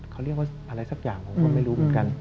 เขาเรียกว่าอะไรสักอย่างผมก็ไม่รู้เหมือนกัน